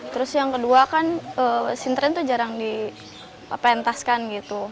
terus yang kedua kan sintren tuh jarang dipentaskan gitu